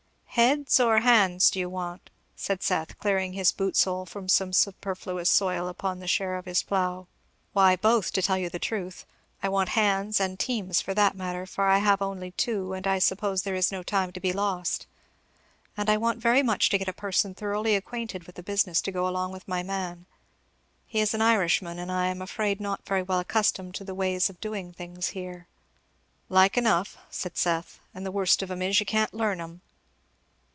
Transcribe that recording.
"Heads or hands, do you want?" said Seth, clearing his boot sole from some superfluous soil upon the share of his plough. "Why both, to tell you the truth. I want hands, and teams, for that matter, for I have only two, and I suppose there is no time to be lost. And I want very much to get a person thoroughly acquainted with the business to go along with my man. He is an Irishman, and I am afraid not very well accustomed to the ways of doing things here." "Like enough," said Seth; "and the worst of 'em is you can't learn 'em."